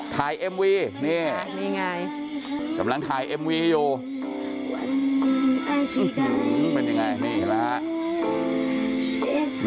เอ็มวีนี่นี่ไงกำลังถ่ายเอ็มวีอยู่เป็นยังไงนี่เห็นไหมครับ